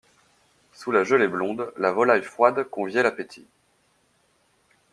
Sous la gelée blonde, la volaille froide conviait l'appétit.